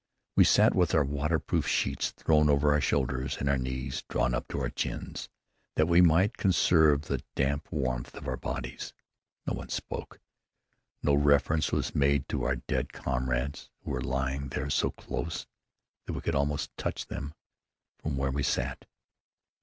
We sat with our waterproof sheets thrown over our shoulders and our knees drawn up to our chins, that we might conserve the damp warmth of our bodies. No one spoke. No reference was made to our dead comrades who were lying there so close that we could almost touch them from where we sat.